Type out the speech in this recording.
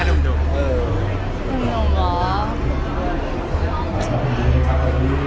ดูมดุ่มเหรอ